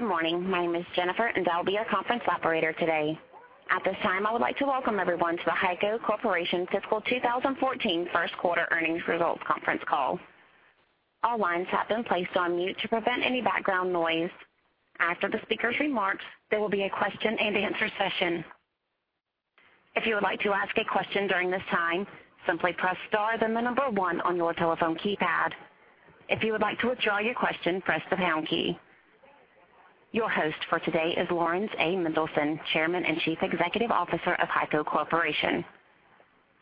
Good morning. My name is Jennifer, and I'll be your conference operator today. At this time, I would like to welcome everyone to the HEICO Corporation fiscal 2014 first quarter earnings results conference call. All lines have been placed on mute to prevent any background noise. After the speaker's remarks, there will be a question-and-answer session. If you would like to ask a question during this time, simply press star, then the number one on your telephone keypad. If you would like to withdraw your question, press the pound key. Your host for today is Laurans A. Mendelson, Chairman and Chief Executive Officer of HEICO Corporation.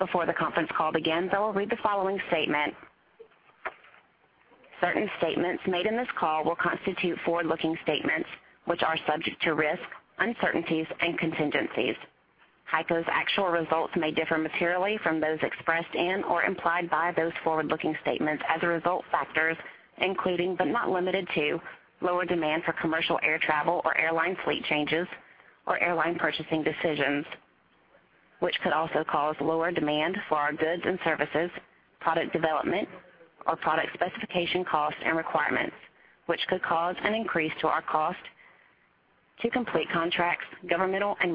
Before the conference call begins, I will read the following statement. Certain statements made in this call will constitute forward-looking statements, which are subject to risks, uncertainties, and contingencies. HEICO's actual results may differ materially from those expressed and/or implied by those forward-looking statements as a result of factors including, but not limited to, lower demand for commercial air travel or airline fleet changes or airline purchasing decisions, which could also cause lower demand for our goods and services, product development or product specification costs and requirements, which could cause an increase to our cost to complete contracts, governmental and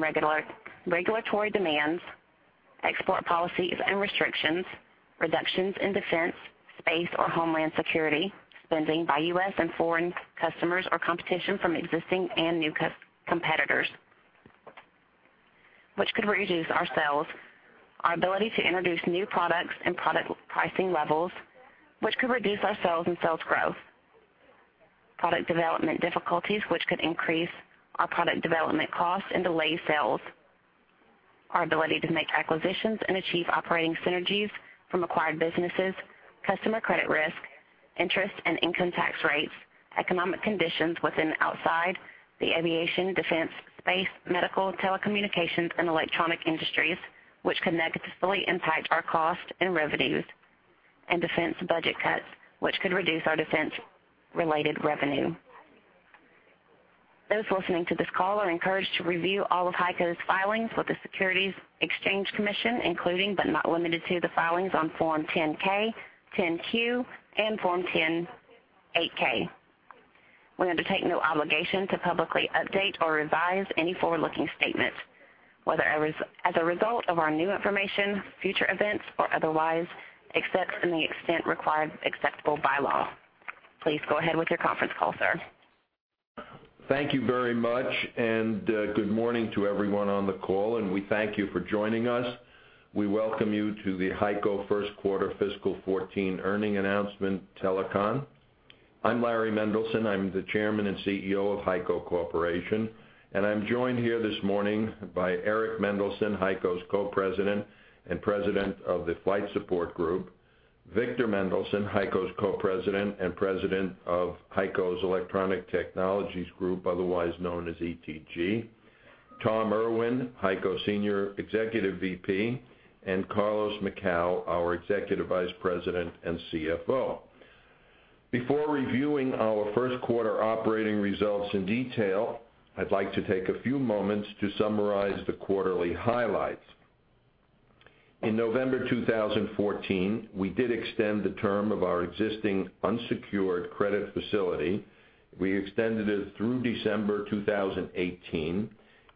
regulatory demands, export policies and restrictions, reductions in defense, space, or homeland security, spending by U.S. and foreign customers or competition from existing and new competitors, which could reduce our sales, our ability to introduce new products and product pricing levels, which could reduce our sales and sales growth. Product development difficulties, which could increase our product development costs and delay sales, our ability to make acquisitions and achieve operating synergies from acquired businesses, customer credit risk, interest and income tax rates, economic conditions within and outside the aviation, defense, space, medical, telecommunications, and electronic industries, which can negatively impact our cost and revenues, and defense budget cuts, which could reduce our defense-related revenue. Those listening to this call are encouraged to review all of HEICO's filings with the Securities and Exchange Commission, including but not limited to the filings on Form 10-K, 10-Q, and Form 8-K. We undertake no obligation to publicly update or revise any forward-looking statements, whether as a result of our new information, future events, or otherwise, except to the extent required acceptable by law. Please go ahead with your conference call, sir. Thank you very much, and good morning to everyone on the call, and we thank you for joining us. We welcome you to the HEICO First Quarter Fiscal 2014 Earnings Announcement Telecon. I'm Larry Mendelson. I'm the Chairman and CEO of HEICO Corporation, and I'm joined here this morning by Eric Mendelson, HEICO's Co-President and President of the Flight Support Group, Victor Mendelson, HEICO's Co-President and President of HEICO's Electronic Technologies Group, otherwise known as ETG, Tom Irwin, HEICO Senior Executive Vice President, and Carlos Macau, our Executive Vice President and CFO. Before reviewing our first quarter operating results in detail, I'd like to take a few moments to summarize the quarterly highlights. In November 2014, we did extend the term of our existing unsecured credit facility. We extended it through December 2018,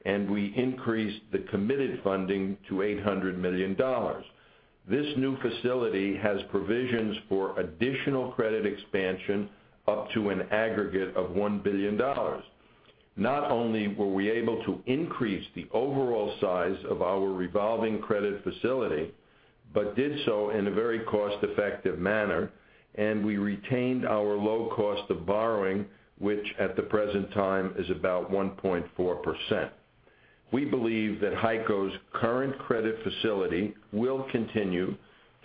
and we increased the committed funding to $800 million. This new facility has provisions for additional credit expansion up to an aggregate of $1 billion. Not only were we able to increase the overall size of our revolving credit facility, but did so in a very cost-effective manner, and we retained our low cost of borrowing, which at the present time is about 1.4%. We believe that HEICO's current credit facility will continue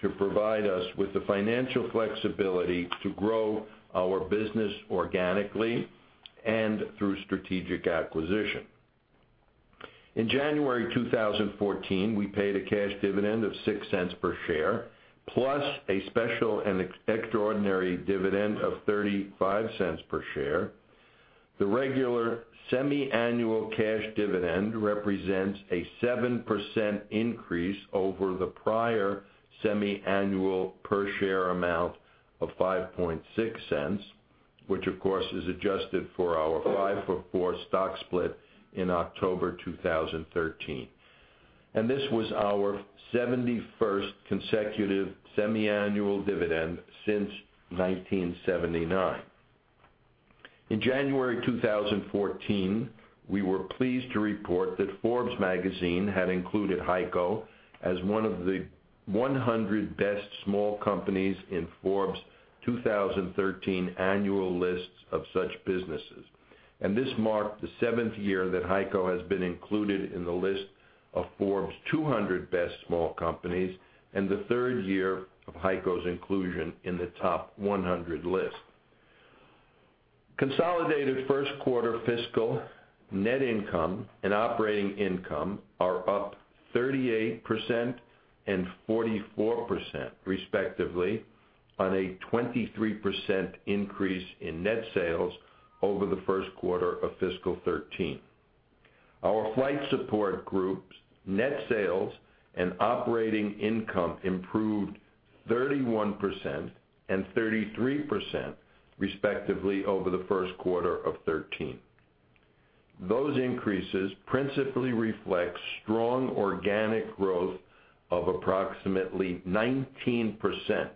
to provide us with the financial flexibility to grow our business organically and through strategic acquisition. In January 2014, we paid a cash dividend of $0.06 per share, plus a special and extraordinary dividend of $0.35 per share. The regular semi-annual cash dividend represents a 7% increase over the prior semi-annual per share amount of $0.056, which, of course, is adjusted for our 5-for-4 stock split in October 2013. This was our 71st consecutive semi-annual dividend since 1979. In January 2014, we were pleased to report that Forbes had included HEICO as one of the 100 best small companies in Forbes' 2013 annual list of such businesses. This marked the seventh year that HEICO has been included in the list of Forbes' 200 best small companies and the third year of HEICO's inclusion in the top 100 list. Consolidated first quarter fiscal net income and operating income are up 38% and 44%, respectively, on a 23% increase in net sales over the first quarter of fiscal 2013. Our Flight Support Group's net sales and operating income improved 31% and 33%, respectively, over the first quarter of 2013. Those increases principally reflect strong organic growth of approximately 19%,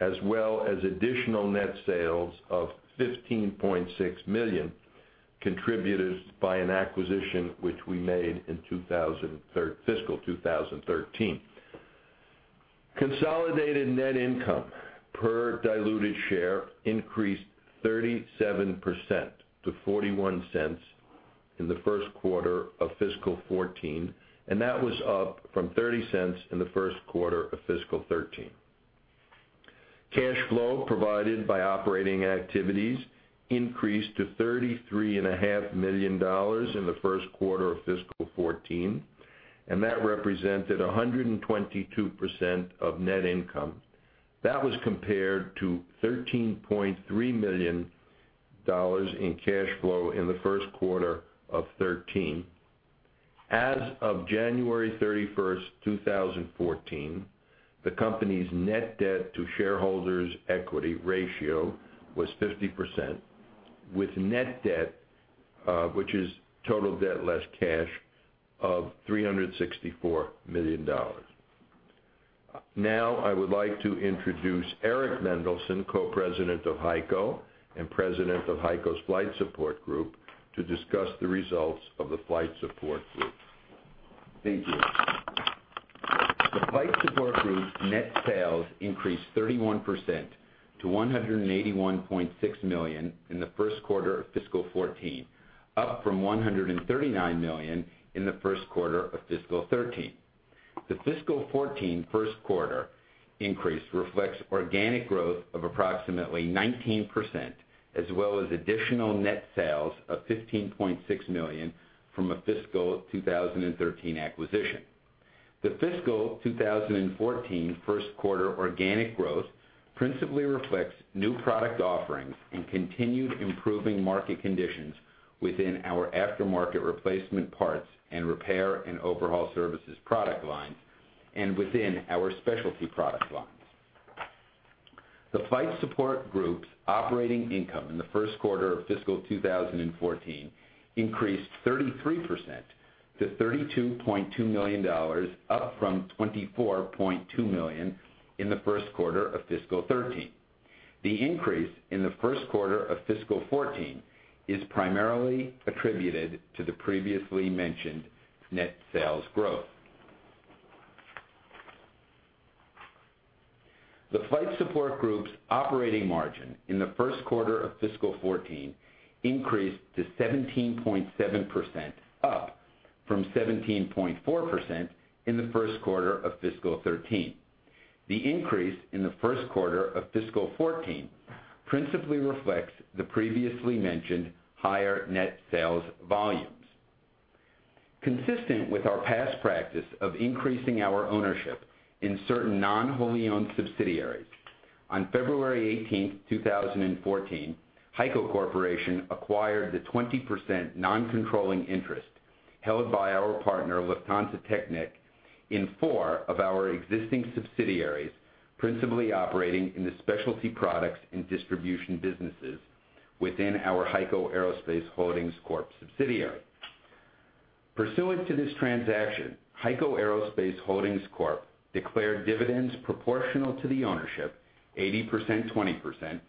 as well as additional net sales of $15.6 million contributed by an acquisition which we made in fiscal 2013. Consolidated net income per diluted share increased 37% to $0.41 in the first quarter of fiscal 2014, and that was up from $0.30 in the first quarter of fiscal 2013. Cash flow provided by operating activities increased to $33.5 million in the first quarter of fiscal 2014, and that represented 122% of net income. That was compared to $13.3 million in cash flow in the first quarter of 2013. As of January 31, 2014, the company's net debt to shareholders' equity ratio was 50%, with net debt, which is total debt less cash, of $364 million. Now I would like to introduce Eric Mendelson, Co-President of HEICO and President of HEICO's Flight Support Group, to discuss the results of the Flight Support Group. Thank you. The Flight Support Group's net sales increased 31% to $181.6 million in the first quarter of fiscal 2014, up from $139 million in the first quarter of fiscal 2013. The fiscal 2014 first quarter increase reflects organic growth of approximately 19%, as well as additional net sales of $15.6 million from a fiscal 2013 acquisition. The fiscal 2014 first quarter organic growth principally reflects new product offerings and continued improving market conditions within our aftermarket replacement parts and repair and overhaul services product lines, and within our specialty product lines. The Flight Support Group's operating income in the first quarter of fiscal 2014 increased 33% to $32.2 million, up from $24.2 million in the first quarter of fiscal 2013. The increase in the first quarter of fiscal 2014 is primarily attributed to the previously mentioned net sales growth. The Flight Support Group's operating margin in the first quarter of fiscal 2014 increased to 17.7%, up from 17.4% in the first quarter of fiscal 2013. The increase in the first quarter of fiscal 2014 principally reflects the previously mentioned higher net sales volumes. Consistent with our past practice of increasing our ownership in certain non-wholly owned subsidiaries, on February 18, 2014, HEICO Corporation acquired the 20% non-controlling interest held by our partner, Lufthansa Technik, in four of our existing subsidiaries, principally operating in the specialty products and distribution businesses within our HEICO Aerospace Holdings Corp subsidiary. Pursuant to this transaction, HEICO Aerospace Holdings Corp declared dividends proportional to the ownership, 80%/20%,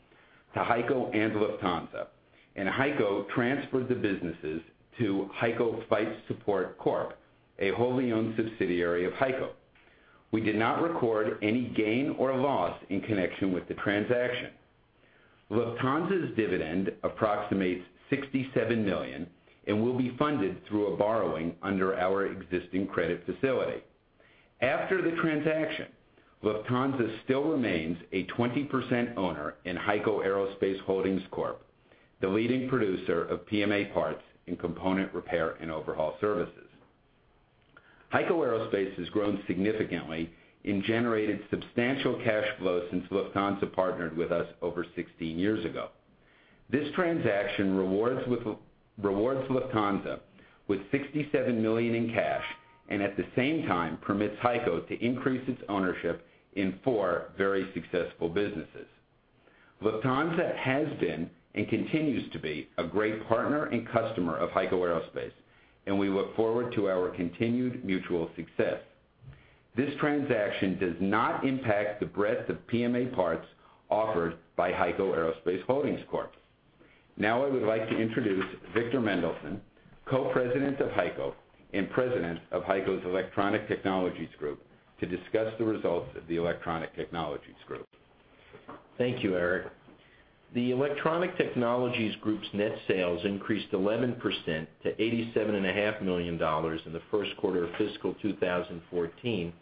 to HEICO and Lufthansa, and HEICO transferred the businesses to HEICO Flight Support Corp, a wholly owned subsidiary of HEICO. We did not record any gain or loss in connection with the transaction. Lufthansa's dividend approximates $67 million and will be funded through a borrowing under our existing credit facility. After the transaction, Lufthansa still remains a 20% owner in HEICO Aerospace Holdings Corp, the leading producer of PMA parts and component repair and overhaul services. HEICO Aerospace has grown significantly and generated substantial cash flow since Lufthansa partnered with us over 16 years ago. This transaction rewards Lufthansa with $67 million in cash and, at the same time, permits HEICO to increase its ownership in four very successful businesses. Lufthansa has been, and continues to be, a great partner and customer of HEICO Aerospace, and we look forward to our continued mutual success. This transaction does not impact the breadth of PMA parts offered by HEICO Aerospace Holdings Corp. Now I would like to introduce Victor Mendelson, Co-President of HEICO and President of HEICO's Electronic Technologies Group, to discuss the results of the Electronic Technologies Group. Thank you, Eric. The Electronic Technologies Group's net sales increased 11% to $87.5 million in the first quarter of fiscal 2014,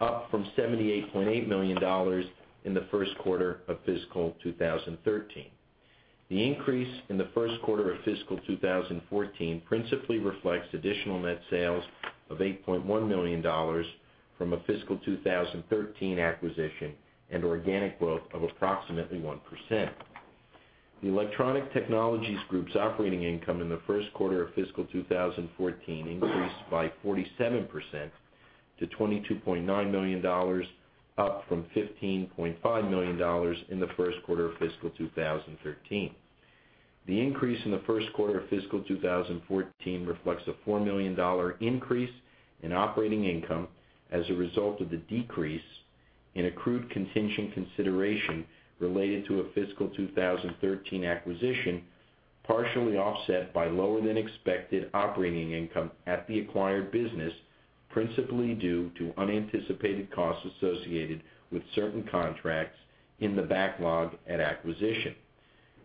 up from $78.8 million in the first quarter of fiscal 2013. The increase in the first quarter of fiscal 2014 principally reflects additional net sales of $8.1 million from a fiscal 2013 acquisition and organic growth of approximately 1%. The Electronic Technologies Group's operating income in the first quarter of fiscal 2014 increased by 47% to $22.9 million, up from $15.5 million in the first quarter of fiscal 2013. The increase in the first quarter of fiscal 2014 reflects a $4 million increase in operating income as a result of the decrease in accrued contingent consideration related to a fiscal 2013 acquisition, partially offset by lower than expected operating income at the acquired business, principally due to unanticipated costs associated with certain contracts in the backlog at acquisition.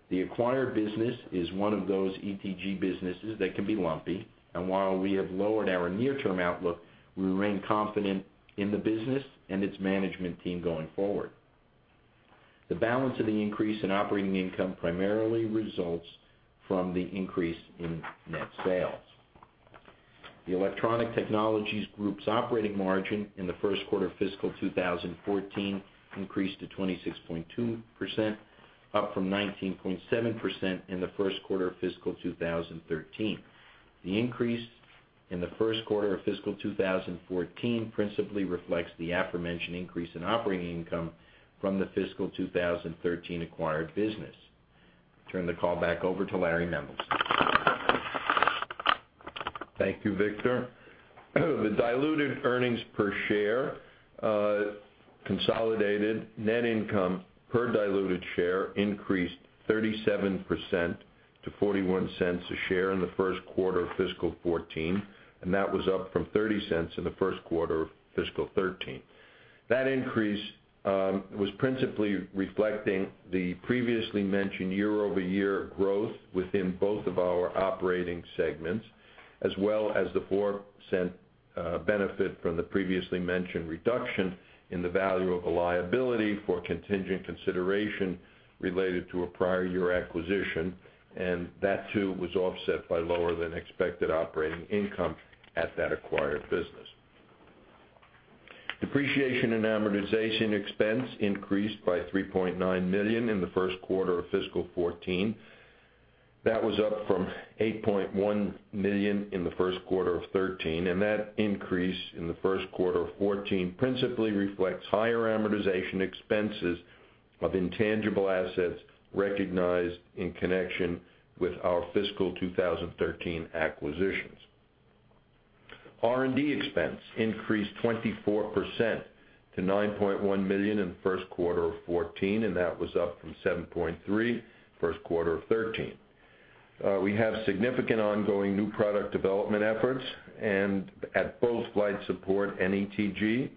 The acquired business is one of those ETG businesses that can be lumpy, while we have lowered our near-term outlook, we remain confident in the business and its management team going forward. The balance of the increase in operating income primarily results from the increase in net sales. The Electronic Technologies Group's operating margin in the first quarter of fiscal 2014 increased to 26.2%, up from 19.7% in the first quarter of fiscal 2013. The increase in the first quarter of fiscal 2014 principally reflects the aforementioned increase in operating income from the fiscal 2013 acquired business. Turn the call back over to Larry Mendelson. Thank you, Victor. The diluted earnings per share, consolidated net income per diluted share increased 37% to $0.41 a share in the first quarter of fiscal 2014, that was up from $0.30 in the first quarter of fiscal 2013. That increase was principally reflecting the previously mentioned year-over-year growth within both of our operating segments, as well as the $0.04 benefit from the previously mentioned reduction in the value of a liability for contingent consideration related to a prior year acquisition, that too was offset by lower than expected operating income at that acquired business. Depreciation and amortization expense increased by $3.9 million in the first quarter of fiscal 2014. That was up from $8.1 million in the first quarter of 2013, that increase in the first quarter of 2014 principally reflects higher amortization expenses of intangible assets recognized in connection with our fiscal 2013 acquisitions. R&D expense increased 24% to $9.1 million in the first quarter of 2014, that was up from $7.3 million in the first quarter of 2013. We have significant ongoing new product development efforts at both Flight Support and ETG,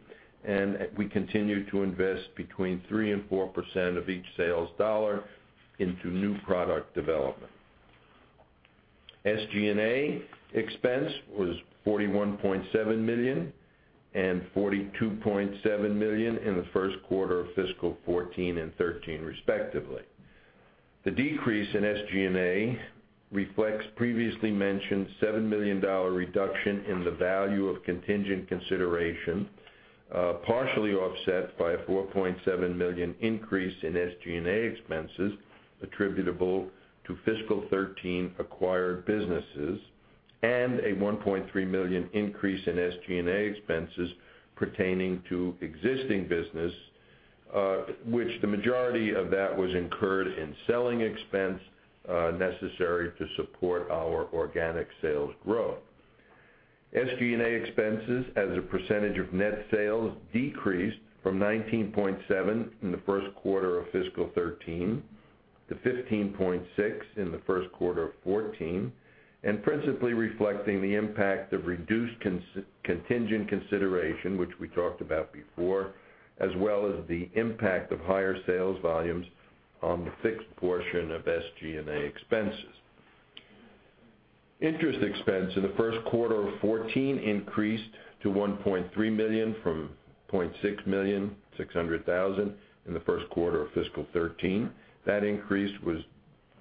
we continue to invest between 3% and 4% of each sales dollar into new product development. SG&A expense was $41.7 million and $42.7 million in the first quarter of fiscal 2014 and 2013, respectively. The decrease in SG&A reflects previously mentioned $7 million reduction in the value of contingent consideration, partially offset by a $4.7 million increase in SG&A expenses attributable to fiscal 2013 acquired businesses and a $1.3 million increase in SG&A expenses pertaining to existing business which the majority of that was incurred in selling expense necessary to support our organic sales growth. SG&A expenses as a percentage of net sales decreased from 19.7% in the first quarter of fiscal 2013 to 15.6% in the first quarter of 2014, principally reflecting the impact of reduced contingent consideration, which we talked about before, as well as the impact of higher sales volumes on the fixed portion of SG&A expenses. Interest expense in the first quarter of 2014 increased to $1.3 million from $0.6 million, $600,000 in the first quarter of fiscal 2013. That increase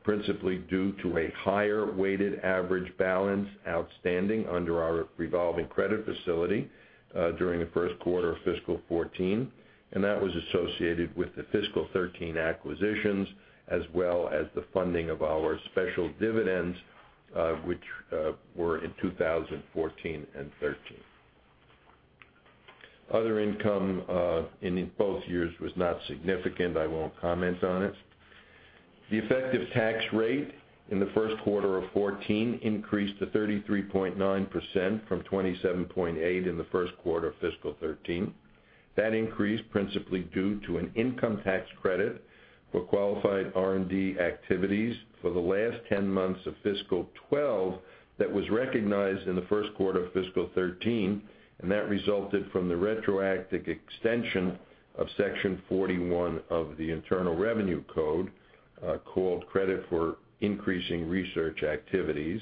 was principally due to a higher weighted average balance outstanding under our revolving credit facility during the first quarter of fiscal 2014. That was associated with the fiscal 2013 acquisitions as well as the funding of our special dividends which were in 2014 and 2013. Other income in both years was not significant. I won't comment on it. The effective tax rate in the first quarter of 2014 increased to 33.9% from 27.8% in the first quarter of fiscal 2013. That increase principally due to an income tax credit for qualified R&D activities for the last 10 months of fiscal 2012 that was recognized in the first quarter of fiscal 2013. That resulted from the retroactive extension of Section 41 of the Internal Revenue Code, called Credit for Increasing Research Activities,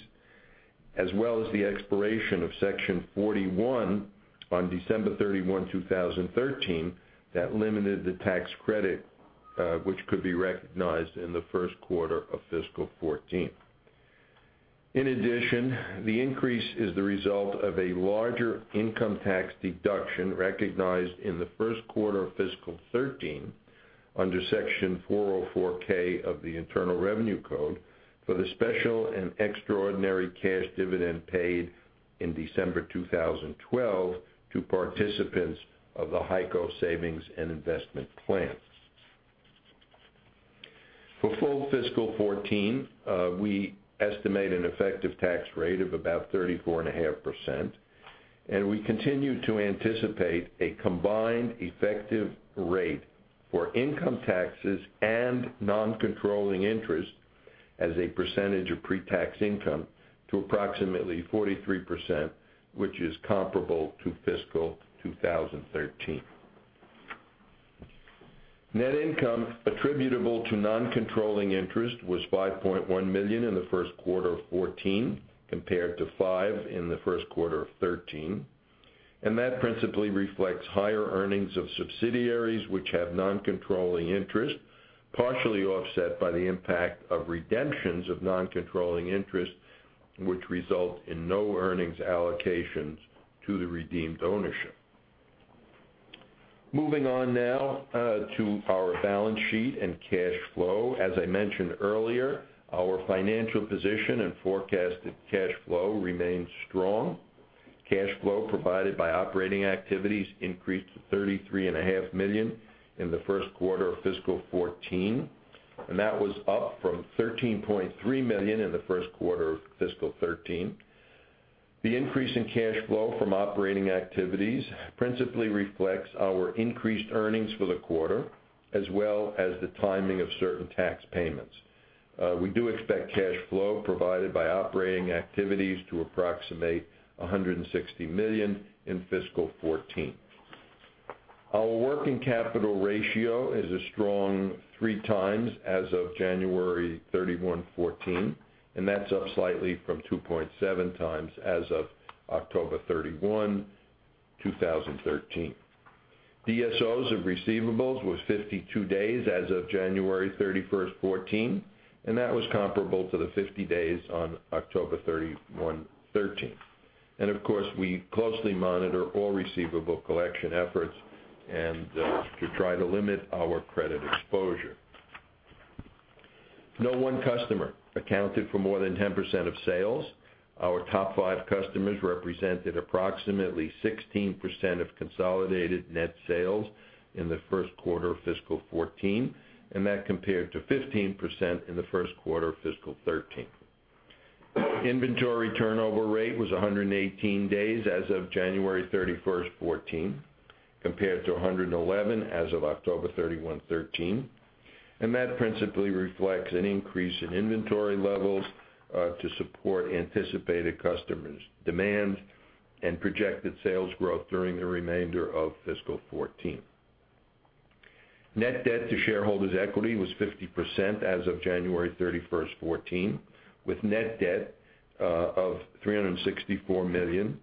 as well as the expiration of Section 41 on December 31, 2013, that limited the tax credit, which could be recognized in the first quarter of fiscal 2014. In addition, the increase is the result of a larger income tax deduction recognized in the first quarter of fiscal 2013 under Section 404 of the Internal Revenue Code for the special and extraordinary cash dividend paid in December 2012 to participants of the HEICO Savings and Investment Plan. For full fiscal 2014, we estimate an effective tax rate of about 34.5%. We continue to anticipate a combined effective rate for income taxes and non-controlling interest as a percentage of pre-tax income to approximately 43%, which is comparable to fiscal 2013. Net income attributable to non-controlling interest was $5.1 million in the first quarter of 2014, compared to $5 million in the first quarter of 2013. That principally reflects higher earnings of subsidiaries which have non-controlling interest, partially offset by the impact of redemptions of non-controlling interest, which result in no earnings allocations to the redeemed ownership. Moving on now to our balance sheet and cash flow. As I mentioned earlier, our financial position and forecasted cash flow remains strong. Cash flow provided by operating activities increased to $33.5 million in the first quarter of fiscal 2014. That was up from $13.3 million in the first quarter of fiscal 2013. The increase in cash flow from operating activities principally reflects our increased earnings for the quarter, as well as the timing of certain tax payments. We do expect cash flow provided by operating activities to approximate $160 million in fiscal 2014. Our working capital ratio is a strong three times as of January 31, 2014. That's up slightly from 2.7 times as of October 31, 2013. DSOs of receivables was 52 days as of January 31, 2014, and that was comparable to the 50 days on October 31, 2013. Of course, we closely monitor all receivable collection efforts to try to limit our credit exposure. No one customer accounted for more than 10% of sales. Our top five customers represented approximately 16% of consolidated net sales in the first quarter of fiscal 2014. That compared to 15% in the first quarter of fiscal 2013. Inventory turnover rate was 118 days as of January 31, 2014, compared to 111 as of October 31, 2013. That principally reflects an increase in inventory levels to support anticipated customers' demand and projected sales growth during the remainder of fiscal 2014. Net debt to shareholders' equity was 50% as of January 31, 2014, with net debt of $364 million.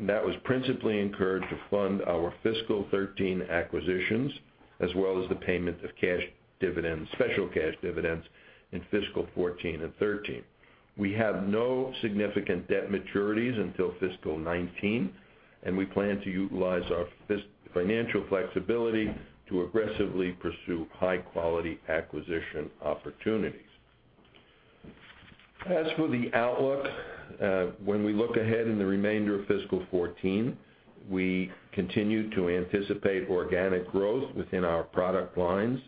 That was principally incurred to fund our fiscal 2013 acquisitions, as well as the payment of special cash dividends in fiscal 2014 and 2013. We have no significant debt maturities until fiscal 2019. We plan to utilize our financial flexibility to aggressively pursue high-quality acquisition opportunities. As for the outlook, when we look ahead in the remainder of fiscal 2014, we continue to anticipate organic growth within our product lines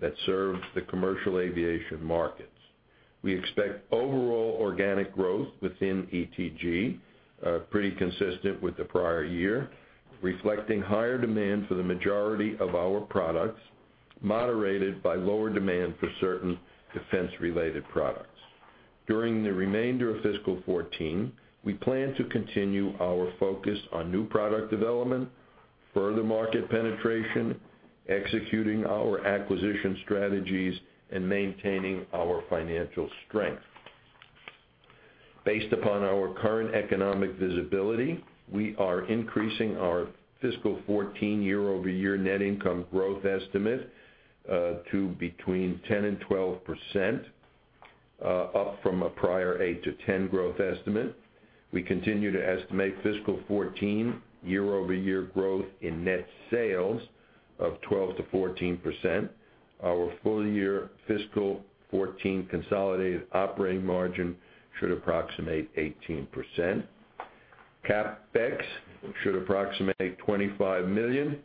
that serve the commercial aviation markets. We expect overall organic growth within ETG pretty consistent with the prior year, reflecting higher demand for the majority of our products, moderated by lower demand for certain defense-related products. During the remainder of fiscal 2014, we plan to continue our focus on new product development, further market penetration, executing our acquisition strategies, and maintaining our financial strength. Based upon our current economic visibility, we are increasing our fiscal 2014 year-over-year net income growth estimate to between 10% and 12%, up from a prior 8%-10% growth estimate. We continue to estimate fiscal 2014 year-over-year growth in net sales of 12%-14%. Our full-year fiscal 2014 consolidated operating margin should approximate 18%. CapEx should approximate $25 million.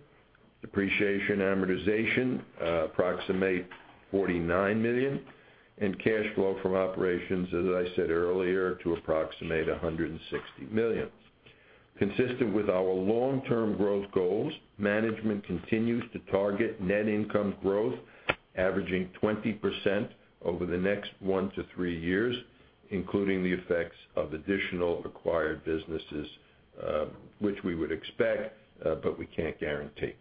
Depreciation amortization approximate $49 million. Cash flow from operations, as I said earlier, to approximate $160 million. Consistent with our long-term growth goals, management continues to target net income growth averaging 20% over the next one to three years, including the effects of additional acquired businesses, which we would expect, but we can't guarantee.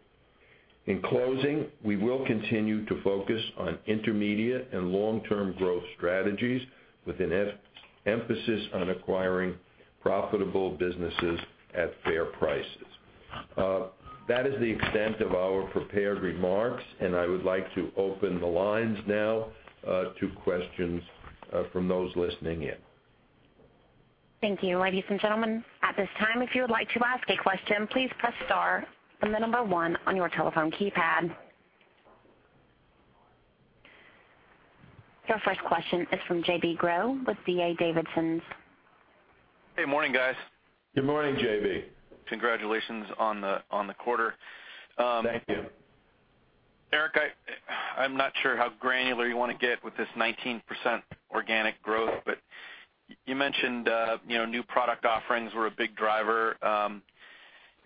In closing, we will continue to focus on intermediate and long-term growth strategies with an emphasis on acquiring profitable businesses at fair prices. That is the extent of our prepared remarks. I would like to open the lines now to questions from those listening in. Thank you, ladies and gentlemen. At this time, if you would like to ask a question, please press star, then the number 1 on your telephone keypad. Your first question is from J.B. Groh with D.A. Davidson. Hey, morning, guys. Good morning, J.B. Congratulations on the quarter. Thank you. Eric, I'm not sure how granular you want to get with this 19% organic growth, You mentioned new product offerings were a big driver.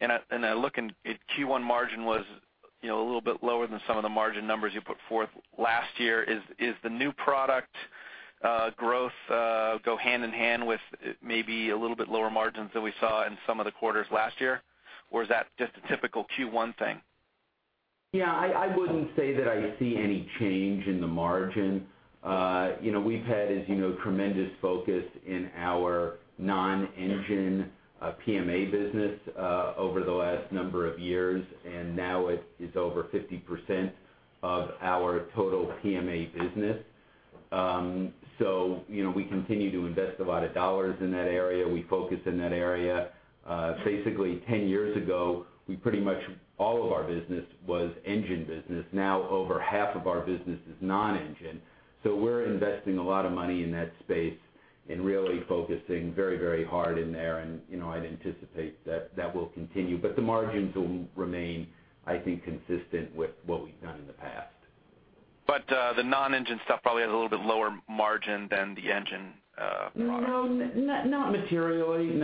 Looking at Q1 margin was a little bit lower than some of the margin numbers you put forth last year. Is the new product growth go hand in hand with maybe a little bit lower margins than we saw in some of the quarters last year? Is that just a typical Q1 thing? I wouldn't say that I see any change in the margin. We've had, as you know, tremendous focus in our non-engine PMA business over the last number of years, and now it is over 50% of our total PMA business. We continue to invest a lot of dollars in that area. We focus in that area. Basically, 10 years ago, pretty much all of our business was engine business. Now over half of our business is non-engine. We're investing a lot of money in that space and really focusing very hard in there, and I'd anticipate that will continue. The margins will remain, I think, consistent with what we've done in the past. The non-engine stuff probably has a little bit lower margin than the engine products. No, not materially.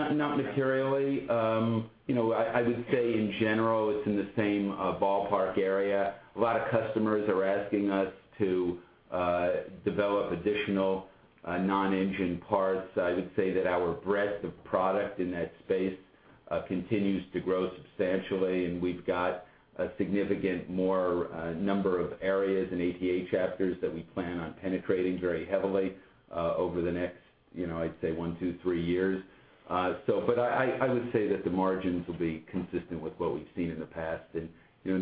I would say in general, it's in the same ballpark area. A lot of customers are asking us to develop additional non-engine parts. I would say that our breadth of product in that space continues to grow substantially, and we've got a significant more number of areas and ATA chapters that we plan on penetrating very heavily over the next, I'd say one, two, three years. I would say that the margins will be consistent with what we've seen in the past and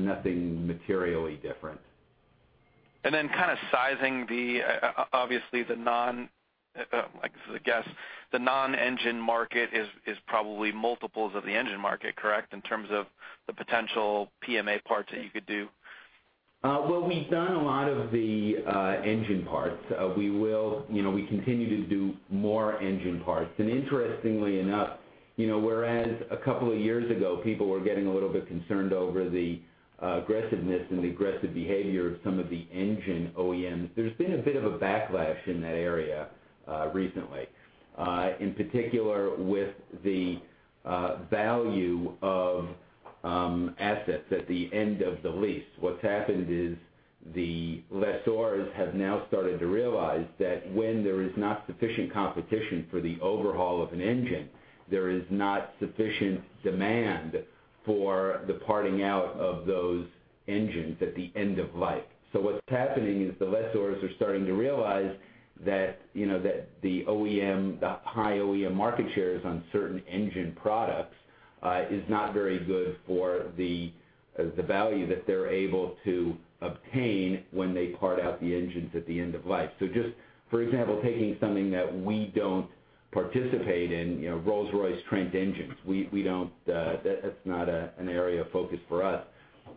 nothing materially different. Kind of sizing the, obviously the non, this is a guess, the non-engine market is probably multiples of the engine market, correct, in terms of the potential PMA parts that you could do? We've done a lot of the engine parts. We continue to do more engine parts. Interestingly enough, whereas a couple of years ago, people were getting a little bit concerned over the aggressiveness and the aggressive behavior of some of the engine OEMs, there's been a bit of a backlash in that area recently, in particular with the value of assets at the end of the lease. What's happened is the lessors have now started to realize that when there is not sufficient competition for the overhaul of an engine, there is not sufficient demand for the parting out of those engines at the end of life. What's happening is the lessors are starting to realize that the high OEM market shares on certain engine products is not very good for the value that they're able to obtain when they part out the engines at the end of life. Just, for example, taking something that we don't participate in, Rolls-Royce Trent engines. That's not an area of focus for us.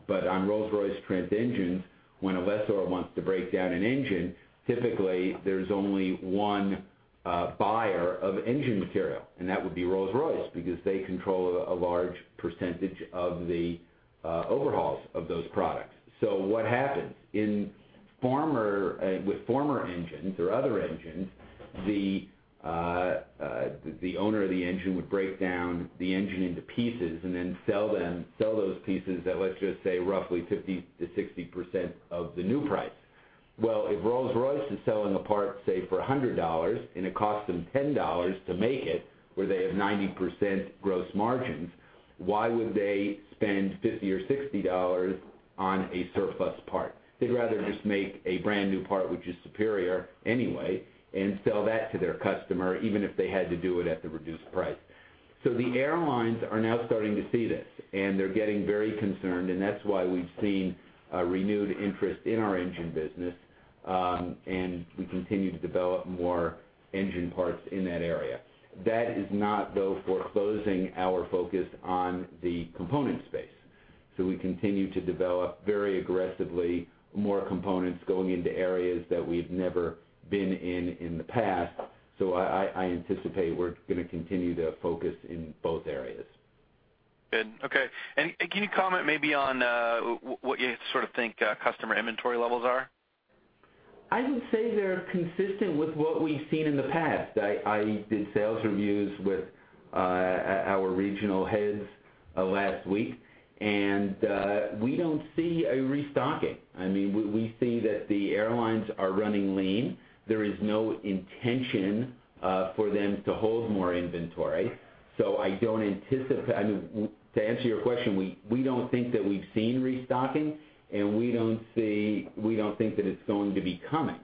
On Rolls-Royce Trent engines, when a lessor wants to break down an engine, typically there's only one buyer of engine material, and that would be Rolls-Royce, because they control a large percentage of the overhauls of those products. What happens? With former engines or other engines, the owner of the engine would break down the engine into pieces and then sell those pieces at, let's just say roughly 50%-60% of the new price. Well, if Rolls-Royce is selling a part, say for $100, and it costs them $10 to make it, where they have 90% gross margins, why would they spend $50 or $60 on a surplus part? They'd rather just make a brand-new part which is superior anyway, and sell that to their customer, even if they had to do it at the reduced price. The airlines are now starting to see this, and they're getting very concerned, and that's why we've seen a renewed interest in our engine business, and we continue to develop more engine parts in that area. That is not, though, foreclosing our focus on the component space. We continue to develop very aggressively more components going into areas that we've never been in in the past. I anticipate we're going to continue to focus in both areas. Good. Okay. Can you comment maybe on what you sort of think customer inventory levels are? I would say they're consistent with what we've seen in the past. I did sales reviews with our regional heads last week, and we don't see a restocking. We see that the airlines are running lean. There is no intention for them to hold more inventory. To answer your question, we don't think that we've seen restocking, and we don't think that it's going to be coming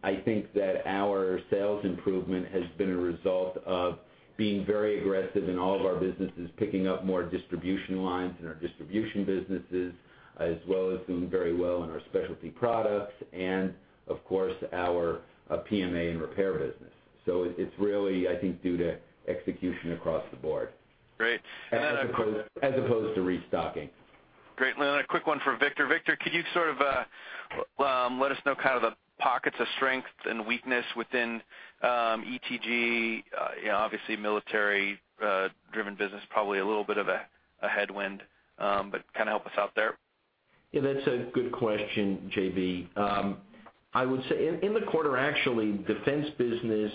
I think that our sales improvement has been a result of being very aggressive in all of our businesses, picking up more distribution lines in our distribution businesses, as well as doing very well in our Specialty Products and, of course, our PMA and repair business. It's really, I think, due to execution across the Board. Great. As opposed to restocking. Great. A quick one for Victor. Victor, could you sort of let us know kind of the pockets of strength and weakness within ETG? Obviously, military-driven business, probably a little bit of a headwind. Help us out there. Yeah, that's a good question, J.B. I would say, in the quarter, actually, defense business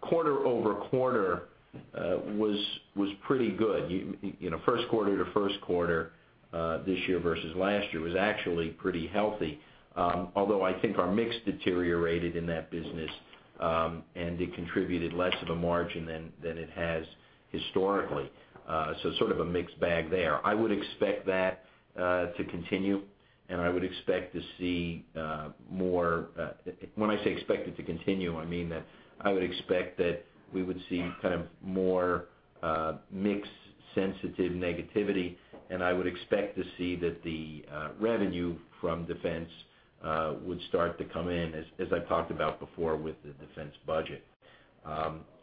quarter-over-quarter was pretty good. First quarter to first quarter this year versus last year was actually pretty healthy. Although I think our mix deteriorated in that business, and it contributed less of a margin than it has historically. Sort of a mixed bag there. I would expect that to continue, and I would expect to see when I say expect it to continue, I mean that I would expect that we would see more mix-sensitive negativity, and I would expect to see that the revenue from defense would start to come in, as I talked about before with the defense budget.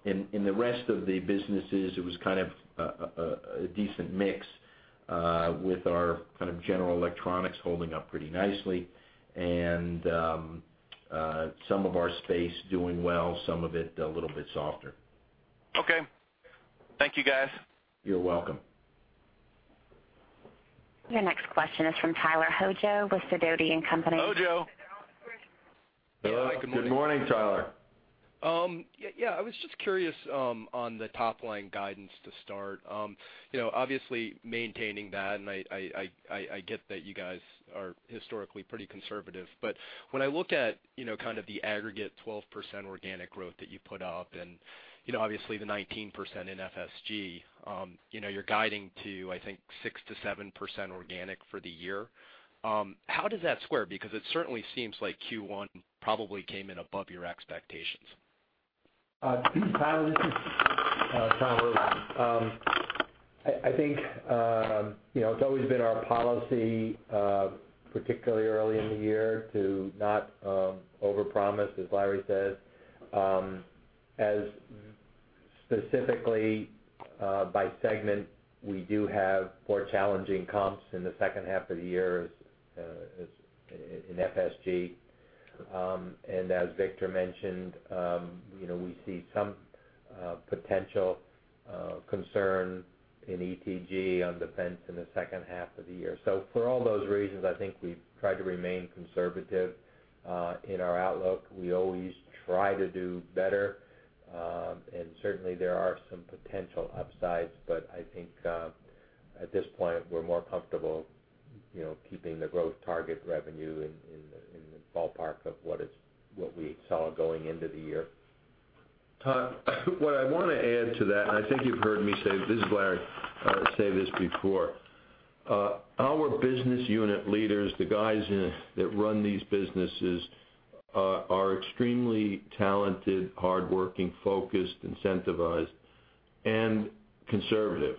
In the rest of the businesses, it was kind of a decent mix with our kind of general electronics holding up pretty nicely and some of our space doing well, some of it a little bit softer. Okay. Thank you, guys. You're welcome. Your next question is from Tyler Hojo with Sidoti & Company. Hojo. Hi, good morning. Good morning, Tyler. Yeah. I was just curious on the top-line guidance to start. Obviously maintaining that, and I get that you guys are historically pretty conservative, but when I look at kind of the aggregate 14% organic growth that you put up and obviously the 19% in FSG, you're guiding to, I think 6%-7% organic for the year. How does that square? Because it certainly seems like Q1 probably came in above your expectations. Tyler, this is Tom Irwin. I think it's always been our policy, particularly early in the year, to not overpromise, as Larry said. As specifically by segment, we do have more challenging comps in the second half of the year in FSG. As Victor mentioned, we see some potential concern in ETG on defense in the second half of the year. For all those reasons, I think we've tried to remain conservative in our outlook. We always try to do better. Certainly, there are some potential upsides, but I think at this point, we're more comfortable keeping the growth target revenue in the ballpark of what we saw going into the year. Tom, what I want to add to that, I think you've heard me say, this is Larry, say this before. Our business unit leaders, the guys that run these businesses are extremely talented, hardworking, focused, incentivized, and conservative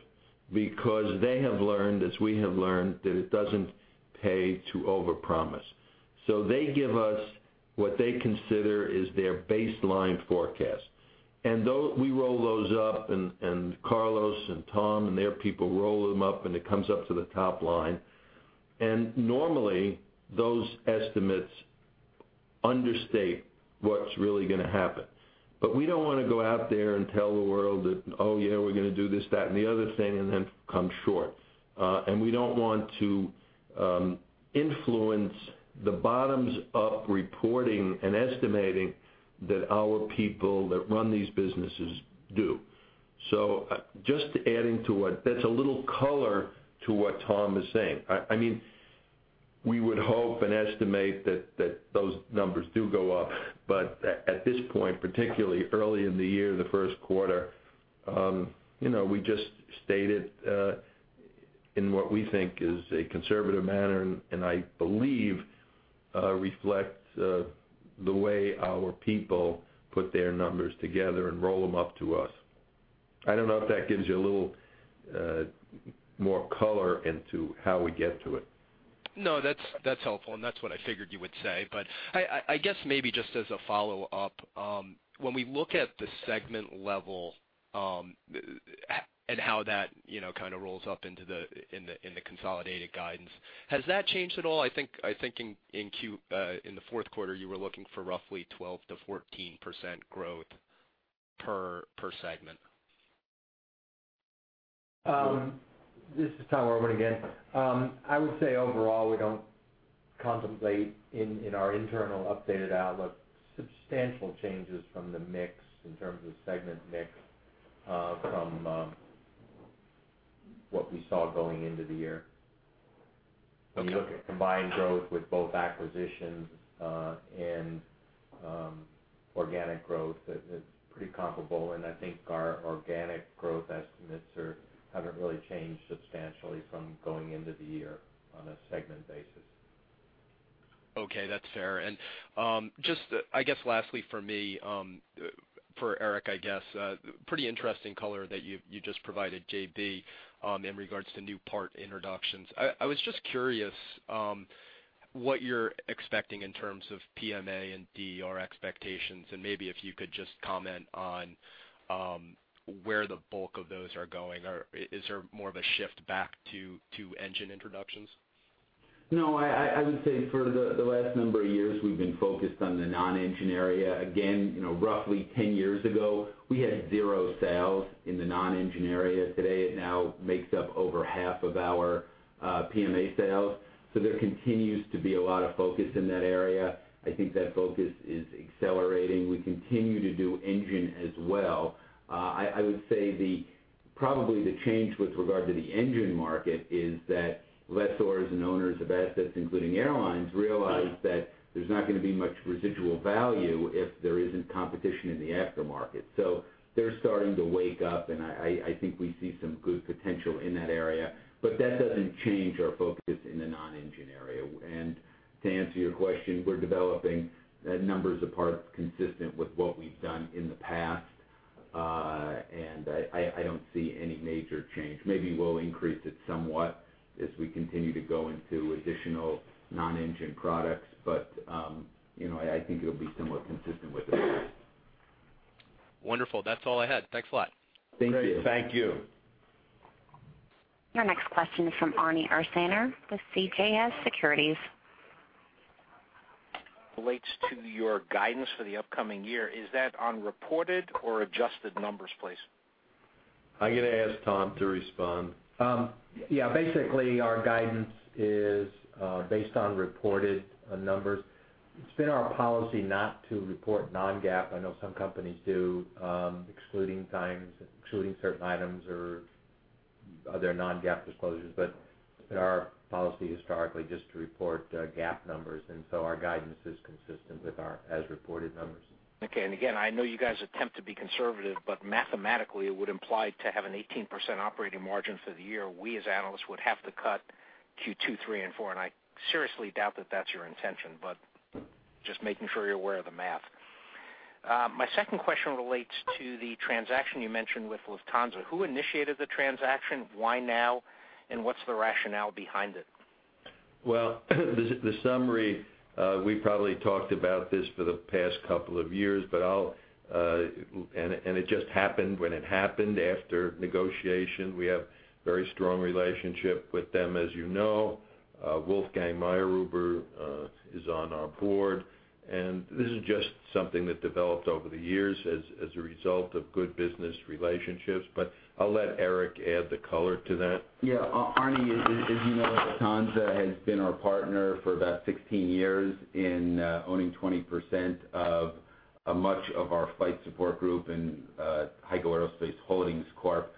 because they have learned, as we have learned, that it doesn't pay to overpromise. They give us what they consider is their baseline forecast. We roll those up, and Carlos and Tom and their people roll them up and it comes up to the top line. Normally, those estimates understate what's really going to happen. We don't want to go out there and tell the world that, oh, yeah, we're going to do this, that, and the other thing and then come short. We don't want to influence the bottoms-up reporting and estimating that our people that run these businesses do. That's a little color to what Tom is saying. We would hope and estimate that those numbers do go up. At this point, particularly early in the year, the first quarter, we just stated in what we think is a conservative manner, I believe reflects the way our people put their numbers together and roll them up to us. I don't know if that gives you a little more color into how we get to it. No, that's helpful. That's what I figured you would say. I guess maybe just as a follow-up, when we look at the segment level and how that kind of rolls up into the consolidated guidance, has that changed at all? I think in the fourth quarter, you were looking for roughly 12%-14% growth per segment. This is Tom Irwin again. I would say overall, we don't contemplate in our internal updated outlook, substantial changes from the mix in terms of segment mix from what we saw going into the year. When you look at combined growth with both acquisitions and Organic growth is pretty comparable. I think our organic growth estimates haven't really changed substantially from going into the year on a segment basis. Okay, that's fair. Just, I guess lastly for me, for Eric, pretty interesting color that you just provided, J.B., in regards to new part introductions. I was just curious what you're expecting in terms of PMA and DER expectations, and maybe if you could just comment on where the bulk of those are going, or is there more of a shift back to engine introductions? I would say for the last number of years, we've been focused on the non-engine area. Roughly 10 years ago, we had zero sales in the non-engine area. Today, it now makes up over half of our PMA sales. There continues to be a lot of focus in that area. I think that focus is accelerating. We continue to do engine as well. I would say probably the change with regard to the engine market is that lessors and owners of assets, including airlines, realize that there's not going to be much residual value if there isn't competition in the aftermarket. They're starting to wake up, and I think we see some good potential in that area. That doesn't change our focus in the non-engine area. To answer your question, we're developing numbers of parts consistent with what we've done in the past. I don't see any major change. Maybe we'll increase it somewhat as we continue to go into additional non-engine products, but I think it'll be somewhat consistent with the past. Wonderful. That's all I had. Thanks a lot. Thank you. Great. Thank you. Your next question is from Arnie Ursaner with CJS Securities. Relates to your guidance for the upcoming year. Is that on reported or adjusted numbers, please? I'm going to ask Tom to respond. Yeah. Basically, our guidance is based on reported numbers. It's been our policy not to report non-GAAP. I know some companies do, excluding certain items or other non-GAAP disclosures, but it's been our policy historically just to report GAAP numbers. So our guidance is consistent with our as reported numbers. Okay. Again, I know you guys attempt to be conservative, but mathematically, it would imply to have an 18% operating margin for the year, we, as analysts, would have to cut Q2, 3, and 4. I seriously doubt that that's your intention, but just making sure you're aware of the math. My second question relates to the transaction you mentioned with Lufthansa. Who initiated the transaction? Why now? What's the rationale behind it? Well, the summary, we probably talked about this for the past couple of years. It just happened when it happened after negotiation. We have a very strong relationship with them, as you know. Wolfgang Mayrhuber is on our Board. This is just something that developed over the years as a result of good business relationships. I'll let Eric add the color to that. Yeah. Arnie, as you know, Lufthansa has been our partner for about 16 years in owning 20% of much of our Flight Support Group in HEICO Aerospace Holdings Corp.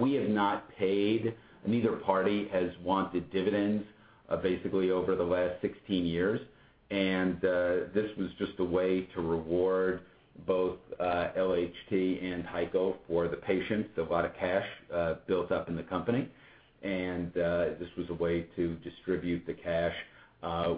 We have not paid, neither party has wanted dividends basically over the last 16 years. This was just a way to reward both LHT and HEICO for the patience. A lot of cash built up in the company. This was a way to distribute the cash.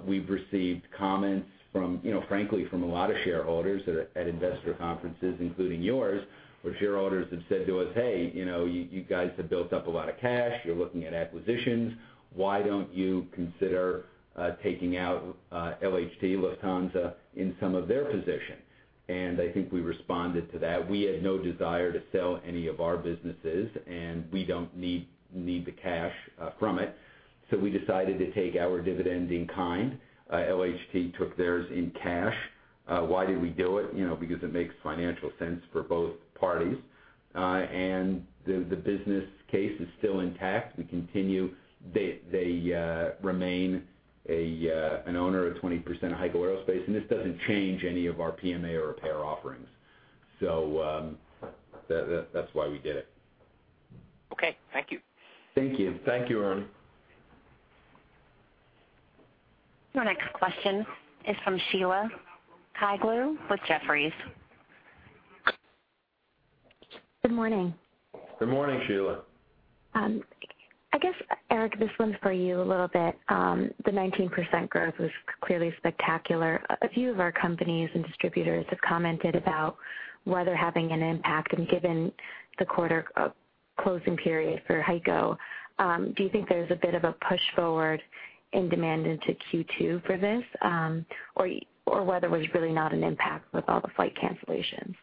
We've received comments, frankly, from a lot of shareholders at investor conferences, including yours, where shareholders have said to us, "Hey, you guys have built up a lot of cash. You're looking at acquisitions. Why don't you consider taking out LHT, Lufthansa, in some of their positions?" I think we responded to that. We had no desire to sell any of our businesses. We don't need the cash from it. We decided to take our dividends in kind. LHT took theirs in cash. Why did we do it? Because it makes financial sense for both parties. The business case is still intact. They remain an owner of 20% of HEICO Aerospace, this doesn't change any of our PMA or repair offerings. That's why we did it. Okay. Thank you. Thank you. Thank you, Arnie. Your next question is from Sheila Kahyaoglu with Jefferies. Good morning. Good morning, Sheila. I guess, Eric, this one's for you a little bit. The 19% growth was clearly spectacular. A few of our companies and distributors have commented about weather having an impact. Given the quarter closing period for HEICO, do you think there's a bit of a push forward in demand into Q2 for this, or weather was really not an impact with all the flight cancellations?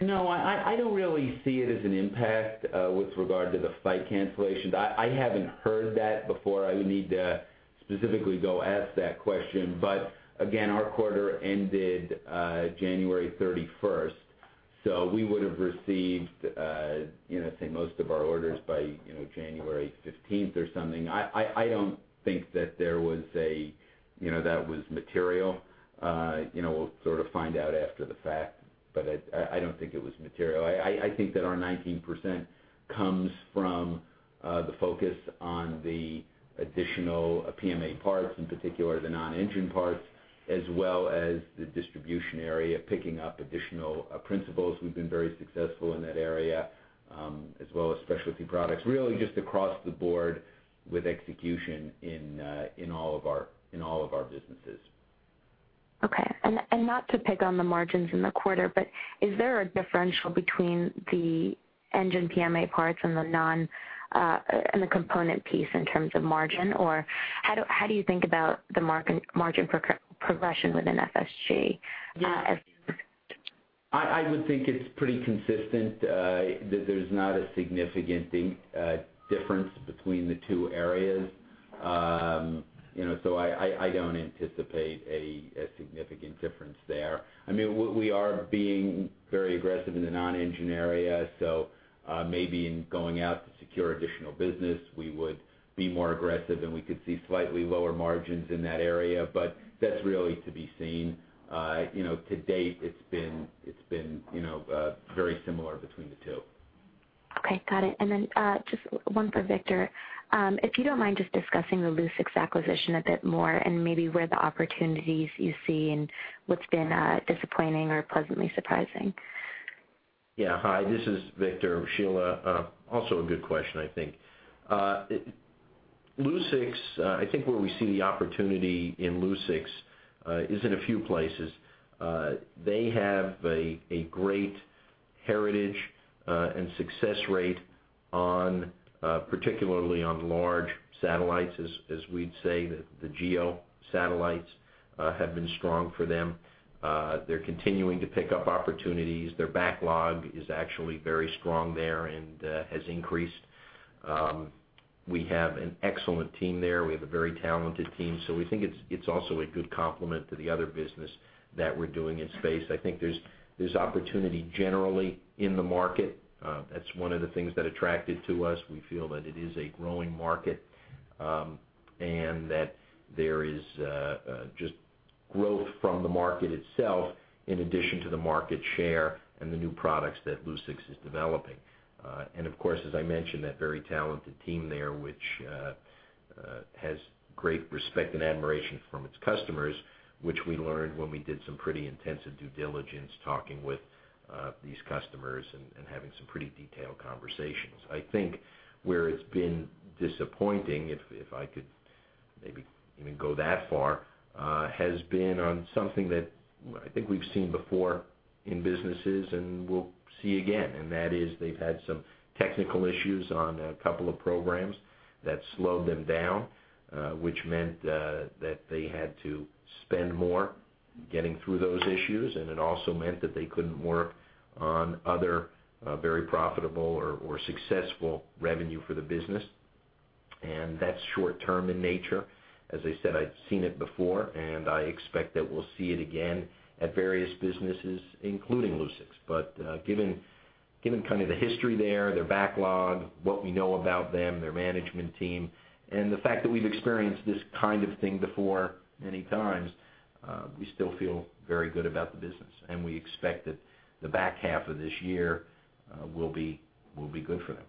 I don't really see it as an impact with regard to the flight cancellations. I haven't heard that before. I would need to specifically go ask that question. Again, our quarter ended January 31st, so we would've received, say, most of our orders by January 15th or something. I don't think that was material. We'll sort of find out after the fact, I don't think it was material. I think that our 19% comes from the focus on the additional PMA parts, in particular, the non-engine parts, as well as the distribution area, picking up additional principals. We've been very successful in that area, as well as Specialty Products, really just across the Board with execution in all of our businesses. Okay. Not to pick on the margins in the quarter, but is there a differential between the engine PMA parts and the component piece in terms of margin? Or how do you think about the margin progression within FSG? I would think it's pretty consistent, that there's not a significant difference between the two areas. I don't anticipate a significant difference there. We are being very aggressive in the non-engine area. Maybe in going out to secure additional business, we would be more aggressive, and we could see slightly lower margins in that area, but that's really to be seen. To date, it's been very similar between the two. Okay. Got it. Then just one for Victor. If you don't mind just discussing the Lucix acquisition a bit more and maybe where the opportunities you see and what's been disappointing or pleasantly surprising. Yeah. Hi, this is Victor. Sheila, also a good question, I think. I think where we see the opportunity in Lucix is in a few places. They have a great heritage and success rate, particularly on large satellites, as we'd say, the GEO satellites have been strong for them. They're continuing to pick up opportunities. Their backlog is actually very strong there and has increased. We have an excellent team there. We have a very talented team. We think it's also a good complement to the other business that we're doing in space. I think there's opportunity generally in the market. That's one of the things that attracted to us. We feel that it is a growing market, and that there is just growth from the market itself, in addition to the market share and the new products that Lucix is developing. Of course, as I mentioned, that very talented team there, which has great respect and admiration from its customers, which we learned when we did some pretty intensive due diligence, talking with these customers and having some pretty detailed conversations. I think where it's been disappointing, if I could maybe even go that far, has been on something that I think we've seen before in businesses and we'll see again. That is they've had some technical issues on a couple of programs that slowed them down, which meant that they had to spend more getting through those issues, and it also meant that they couldn't work on other very profitable or successful revenue for the business. That's short-term in nature. As I said, I'd seen it before. I expect that we'll see it again at various businesses, including Lucix. Given kind of the history there, their backlog, what we know about them, their management team, and the fact that we've experienced this kind of thing before many times, we still feel very good about the business, and we expect that the back half of this year will be good for them.